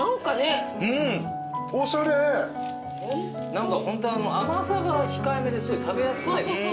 何かホント甘さが控えめですごい食べやすくない？